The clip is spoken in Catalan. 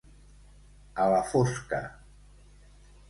A la fosca.